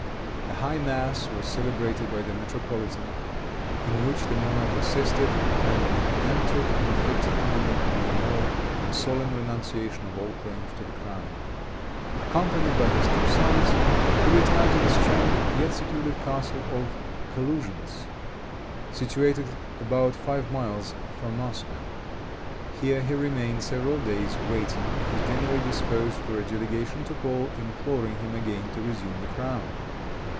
A high mass was celebrated by the metropolitan, in which the monarch assisted, and he then took an affecting leave of them all, in a solemn renunciation of all claims to the crown. Accompanied by his two sons, he retired to the strong yet secluded castle of Caloujintz, situated about five miles from Moscow. Here he remained several days, waiting, it is generally supposed, for a delegation to call, imploring him again to resume the crown.